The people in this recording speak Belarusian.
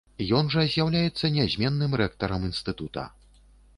Ён жа з'яўляецца нязменным рэктарам інстытута.